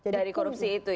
dari korupsi itu ya